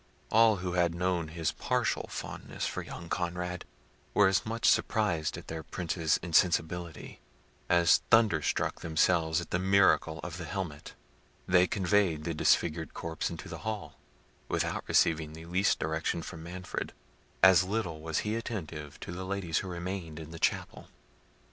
All who had known his partial fondness for young Conrad, were as much surprised at their Prince's insensibility, as thunderstruck themselves at the miracle of the helmet. They conveyed the disfigured corpse into the hall, without receiving the least direction from Manfred. As little was he attentive to the ladies who remained in the chapel.